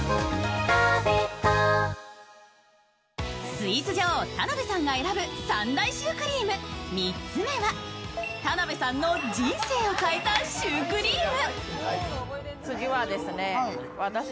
スイーツ女王・田辺さんが選ぶ３大シュークリーム、３つ目は、田辺さんの人生を変えたシュークリーム。